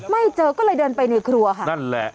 ไม่เจอก็เลยเดินไปในครัวค่ะ